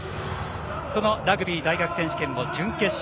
そのラグビー大学選手権、準決勝